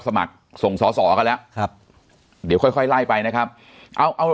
สมัครส่งสอสอกันแล้วครับเดี๋ยวค่อยค่อยไล่ไปนะครับเอาเอา